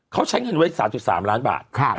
เขาใช้เงินไว้สามจุดสามล้านบาทครับ